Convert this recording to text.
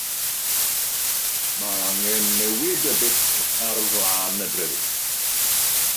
Mae angen newid y bit ar flaen y dril.